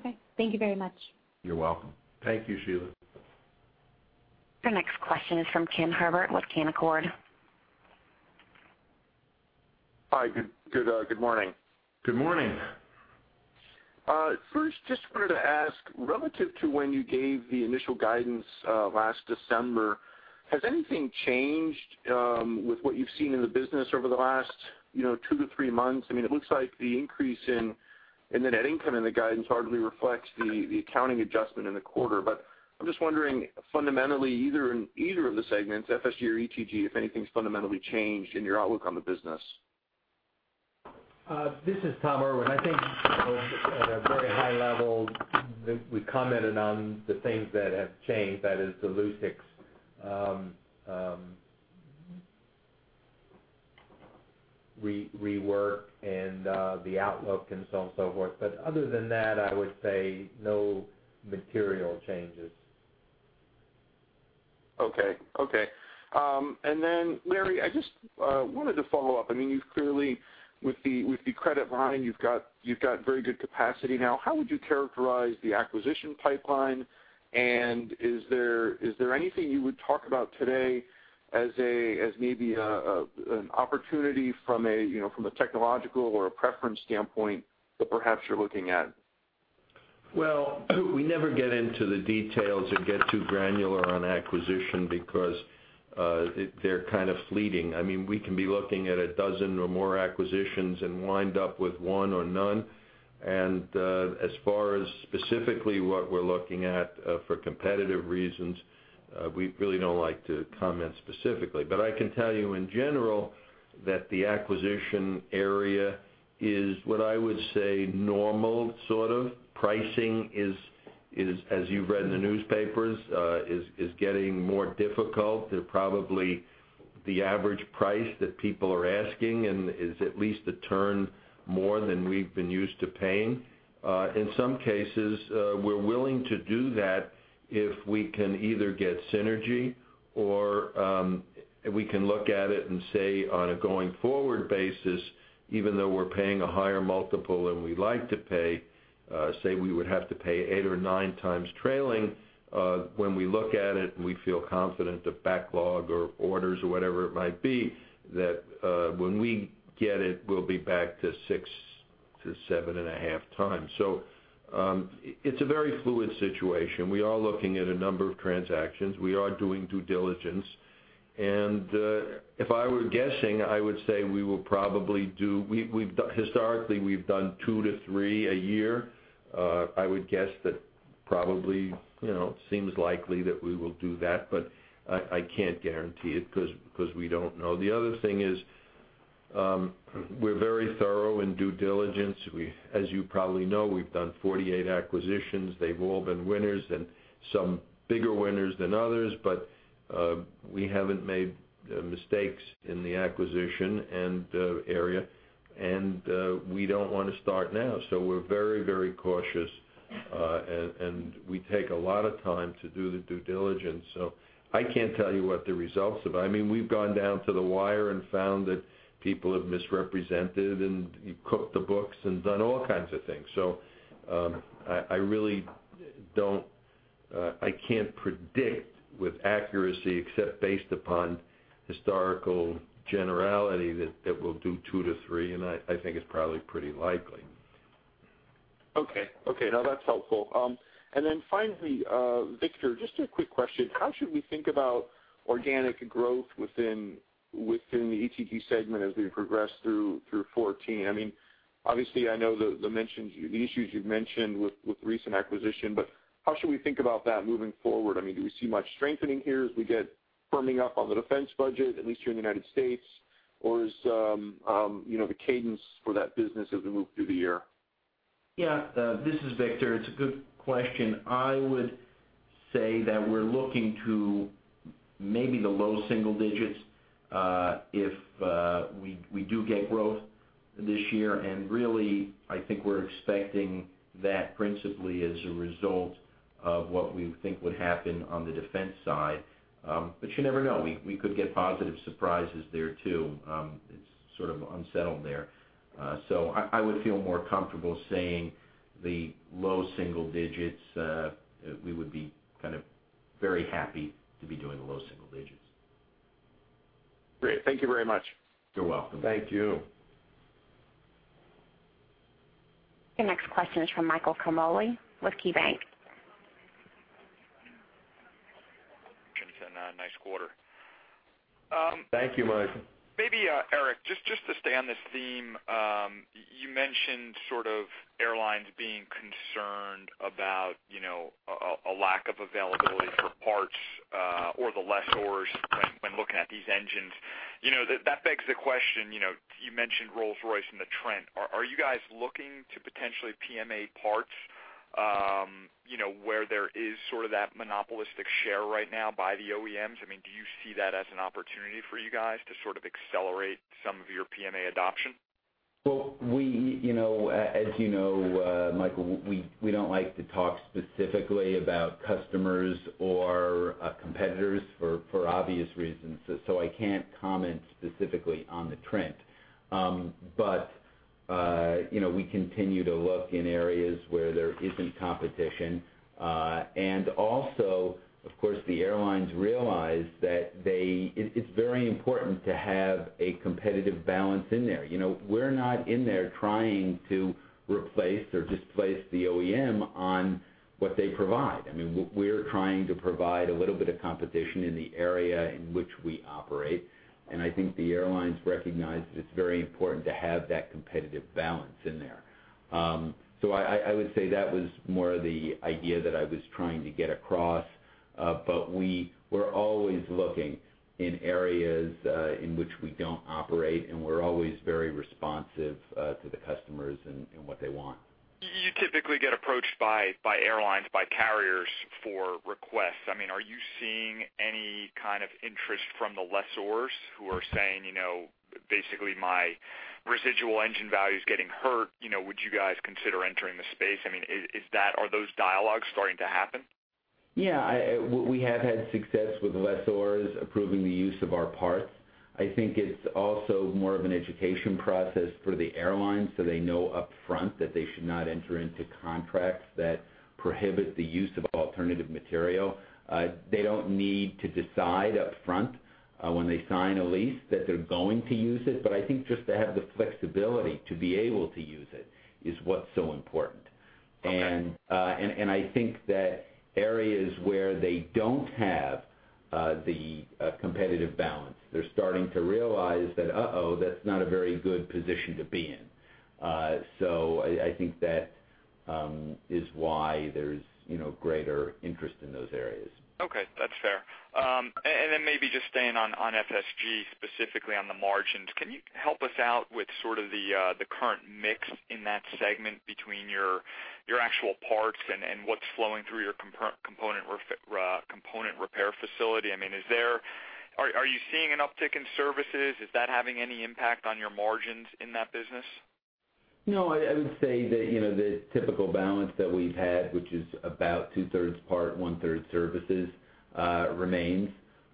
Okay. Thank you very much. You're welcome. Thank you, Sheila. Your next question is from Ken Herbert with Canaccord. Hi. Good morning. Good morning. First, just wanted to ask, relative to when you gave the initial guidance last December, has anything changed with what you've seen in the business over the last two to three months? It looks like the increase in the net income and the guidance hardly reflects the accounting adjustment in the quarter. I'm just wondering, fundamentally, either of the segments, FSG or ETG, if anything's fundamentally changed in your outlook on the business. This is Tom Irwin. I think at a very high level, we commented on the things that have changed, that is the Lucix rework and the outlook and so on and so forth. Other than that, I would say no material changes. Okay. Larry, I just wanted to follow up. You've clearly, with the credit line, you've got very good capacity now. How would you characterize the acquisition pipeline? Is there anything you would talk about today as maybe an opportunity from a technological or a preference standpoint that perhaps you're looking at? Well, we never get into the details and get too granular on acquisition because they're kind of fleeting. We can be looking at a dozen or more acquisitions and wind up with one or none. As far as specifically what we're looking at, for competitive reasons, we really don't like to comment specifically. I can tell you in general that the acquisition area is what I would say normal, sort of. Pricing is, as you've read in the newspapers, getting more difficult. Probably the average price that people are asking is at least a turn more than we've been used to paying. In some cases, we're willing to do that if we can either get synergy or we can look at it and say on a going-forward basis, even though we're paying a higher multiple than we like to pay, say we would have to pay eight or nine times trailing. When we look at it and we feel confident the backlog or orders or whatever it might be, that when we get it, we'll be back to six to seven and a half times. It's a very fluid situation. We are looking at a number of transactions. We are doing due diligence, and, if I were guessing, I would say we will probably do historically, we've done two to three a year. I would guess that probably, seems likely that we will do that, but I can't guarantee it, because we don't know. The other thing is, we're very thorough in due diligence. As you probably know, we've done 48 acquisitions. They've all been winners, and some bigger winners than others. We haven't made mistakes in the acquisition area, and we don't want to start now. We're very cautious, and we take a lot of time to do the due diligence. I can't tell you what the results of We've gone down to the wire and found that people have misrepresented, and cooked the books, and done all kinds of things. I can't predict with accuracy, except based upon historical generality, that we'll do two to three, and I think it's probably pretty likely. That's helpful. Finally, Victor, just a quick question. How should we think about organic growth within the ETG segment as we progress through 2014? Obviously, I know the issues you've mentioned with recent acquisition, but how should we think about that moving forward? Do we see much strengthening here as we get firming up on the defense budget, at least here in the U.S.? Or is the cadence for that business as we move through the year? This is Victor. It's a good question. I would say that we're looking to maybe the low single digits, if we do get growth this year. Really, I think we're expecting that principally as a result of what we think would happen on the defense side. You never know. We could get positive surprises there, too. It's sort of unsettled there. I would feel more comfortable saying the low single digits. We would be very happy to be doing the low single digits. Great. Thank you very much. You're welcome. Thank you. Your next question is from Michael Ciarmoli with KeyBanc. Congratulations on a nice quarter. Thank you, Michael. Maybe, Eric, just to stay on this theme, you mentioned airlines being concerned about a lack of availability for parts, or the lessors when looking at these engines. That begs the question, you mentioned Rolls-Royce and the Trent. Are you guys looking to potentially PMA parts, where there is sort of that monopolistic share right now by the OEMs? Do you see that as an opportunity for you guys to accelerate some of your PMA adoption? Well, as you know, Michael, we don't like to talk specifically about customers or competitors for obvious reasons. I can't comment specifically on the Trent. We continue to look in areas where there isn't competition. Also, of course, the airlines realize that it's very important to have a competitive balance in there. We're not in there trying to replace or displace the OEM on what they provide. We're trying to provide a little bit of competition in the area in which we operate, and I think the airlines recognize that it's very important to have that competitive balance in there. I would say that was more the idea that I was trying to get across. We're always looking in areas, in which we don't operate, and we're always very responsive to the customers and what they want. You typically get approached by airlines, by carriers for requests. Are you seeing any kind of interest from the lessors who are saying, "Basically my residual engine value is getting hurt, would you guys consider entering the space?" Are those dialogues starting to happen? Yeah, we have had success with lessors approving the use of our parts. I think it's also more of an education process for the airlines, so they know upfront that they should not enter into contracts that prohibit the use of alternative material. They don't need to decide up front, when they sign a lease that they're going to use it, but I think just to have the flexibility to be able to use it is what's so important. Okay. I think that areas where they don't have the competitive balance, they're starting to realize that, uh-oh, that's not a very good position to be in. I think that is why there's greater interest in those areas. Okay. That's fair. Then maybe just staying on FSG, specifically on the margins. Can you help us out with sort of the current mix in that segment between your actual parts and what's flowing through your component repair facility? Are you seeing an uptick in services? Is that having any impact on your margins in that business? No, I would say that the typical balance that we've had, which is about two-thirds part, one-third services, remains.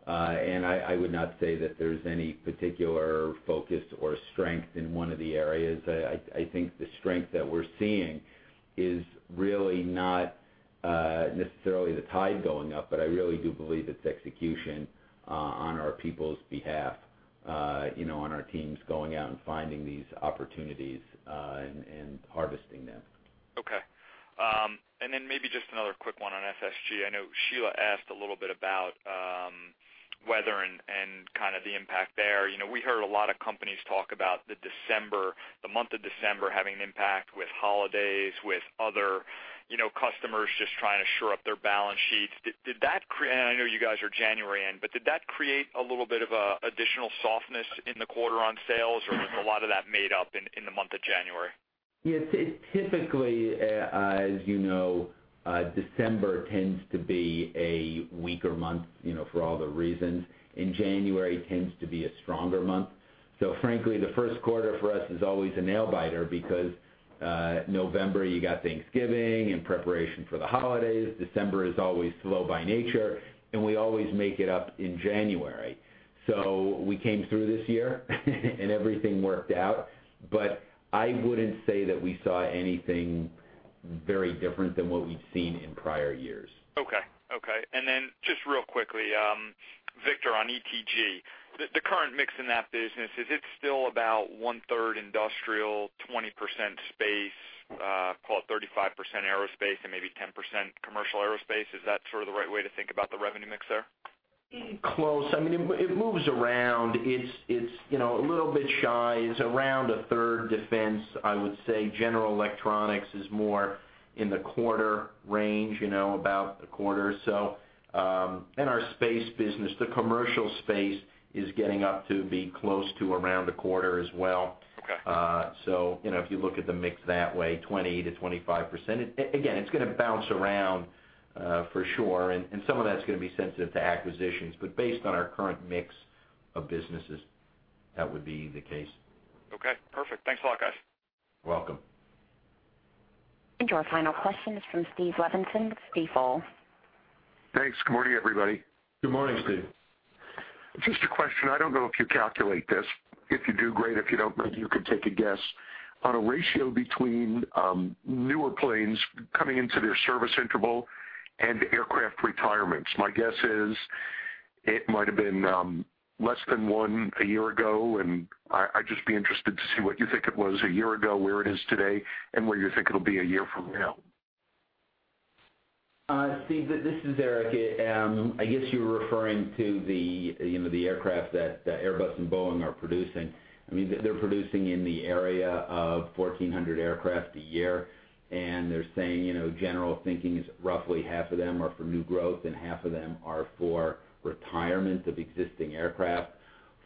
I would not say that there's any particular focus or strength in one of the areas. I think the strength that we're seeing is really not. Necessarily the tide going up, I really do believe it's execution on our people's behalf, on our teams going out and finding these opportunities and harvesting them. Okay. Then maybe just another quick one on FSG. I know Sheila asked a little bit about weather and the impact there. We heard a lot of companies talk about the month of December having an impact with holidays, with other customers just trying to shore up their balance sheets. I know you guys are January in, but did that create a little bit of additional softness in the quarter on sales, or was a lot of that made up in the month of January? Yeah, typically, as you know, December tends to be a weaker month, for all the reasons, and January tends to be a stronger month. Frankly, the first quarter for us is always a nail biter because November, you got Thanksgiving and preparation for the holidays. December is always slow by nature, and we always make it up in January. We came through this year and everything worked out, but I wouldn't say that we saw anything very different than what we've seen in prior years. Okay. Then just real quickly, Victor, on ETG, the current mix in that business, is it still about one-third industrial, 20% space, call it 35% aerospace, and maybe 10% commercial aerospace? Is that sort of the right way to think about the revenue mix there? Close. It moves around. It's a little bit shy. It's around a third defense, I would say. General electronics is more in the quarter range, about a quarter or so. Our space business, the commercial space is getting up to be close to around a quarter as well. Okay. If you look at the mix that way, 20%-25%. Again, it's going to bounce around for sure, and some of that's going to be sensitive to acquisitions. Based on our current mix of businesses, that would be the case. Okay, perfect. Thanks a lot, guys. You're welcome. Your final question is from Steve Levenson with Stifel. Thanks. Good morning, everybody. Good morning, Steve. Just a question. I don't know if you calculate this. If you do, great. If you don't, maybe you could take a guess on a ratio between newer planes coming into their service interval and aircraft retirements. My guess is it might have been less than one a year ago, and I'd just be interested to see what you think it was a year ago, where it is today, and where you think it'll be a year from now. Steve, this is Eric. I guess you're referring to the aircraft that Airbus and Boeing are producing. They're producing in the area of 1,400 aircraft a year. They're saying, general thinking is roughly half of them are for new growth and half of them are for retirement of existing aircraft.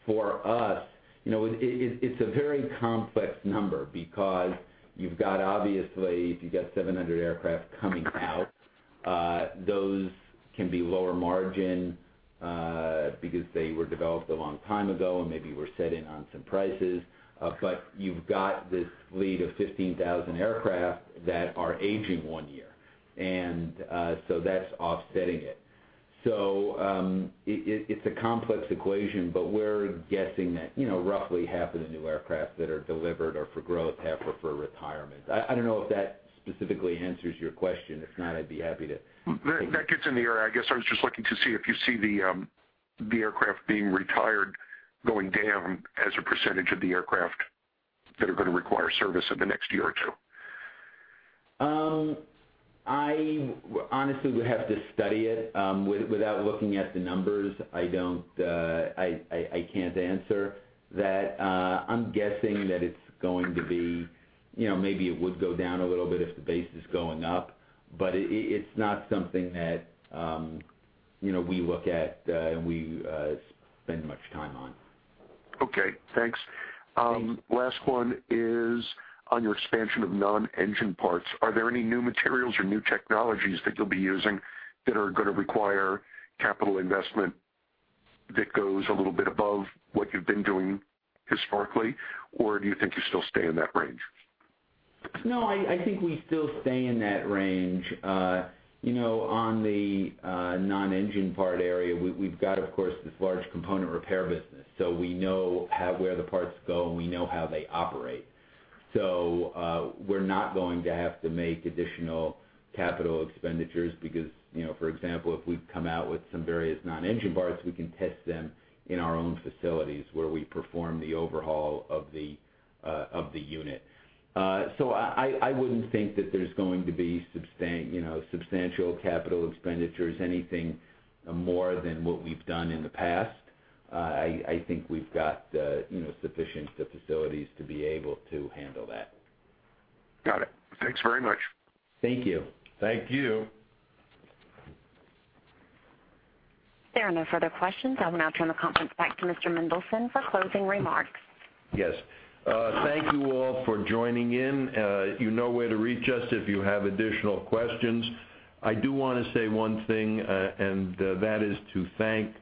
For us, it's a very complex number because you've got, obviously, if you've got 700 aircraft coming out, those can be lower margin because they were developed a long time ago and maybe were set in on some prices. You've got this fleet of 15,000 aircraft that are aging one year, and so that's offsetting it. It's a complex equation, but we're guessing that roughly half of the new aircraft that are delivered are for growth, half are for retirement. I don't know if that specifically answers your question. If not, I'd be happy to elaborate. That gets in the area. I guess I was just looking to see if you see the aircraft being retired going down as a percentage of the aircraft that are going to require service in the next year or two. I honestly would have to study it. Without looking at the numbers, I can't answer that. I'm guessing that it's going to be, maybe it would go down a little bit if the base is going up, but it's not something that we look at and we spend much time on. Okay, thanks. Thanks. Last one is on your expansion of non-engine parts. Are there any new materials or new technologies that you'll be using that are going to require capital investment that goes a little bit above what you've been doing historically, or do you think you still stay in that range? I think we still stay in that range. On the non-engine part area, we've got, of course, this large component repair business. We know where the parts go. We know how they operate. We're not going to have to make additional capital expenditures because, for example, if we come out with some various non-engine parts, we can test them in our own facilities where we perform the overhaul of the unit. I wouldn't think that there's going to be substantial capital expenditures, anything more than what we've done in the past. I think we've got sufficient facilities to be able to handle that. Got it. Thanks very much. Thank you. There are no further questions. I will now turn the conference back to Mr. Mendelson for closing remarks. Yes. Thank you all for joining in. You know where to reach us if you have additional questions. I do want to say one thing, that is to thank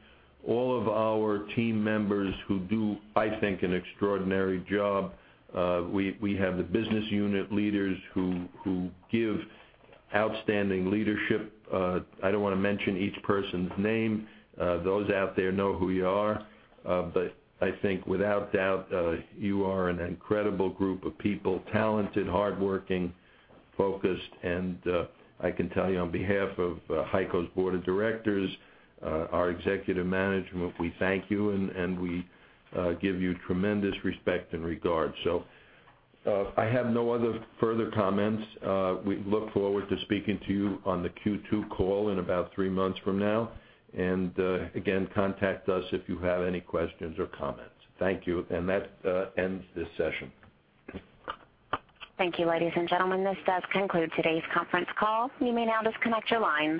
all of our team members who do, I think, an extraordinary job. We have the business unit leaders who give outstanding leadership. I don't want to mention each person's name. Those out there know who you are. I think without doubt, you are an incredible group of people, talented, hardworking, focused, and I can tell you on behalf of HEICO's Board of Directors, our executive management, we thank you, and we give you tremendous respect and regard. I have no other further comments. We look forward to speaking to you on the Q2 call in about three months from now. Again, contact us if you have any questions or comments. Thank you. That ends this session. Thank you, ladies and gentlemen. This does conclude today's conference call. You may now disconnect your lines.